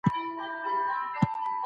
انگلیسان ماتې وخوړله